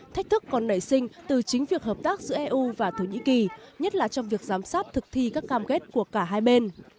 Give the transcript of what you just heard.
thách thức còn nảy sinh từ chính việc hợp tác giữa eu và thổ nhĩ kỳ nhất là trong việc giám sát thực thi các cam kết của cả hai bên